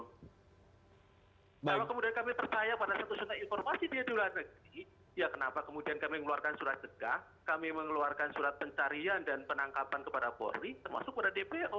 kalau kemudian kami percaya pada satu surat informasi dia di luar negeri ya kenapa kemudian kami mengeluarkan surat cegah kami mengeluarkan surat pencarian dan penangkapan kepada polri termasuk pada dpo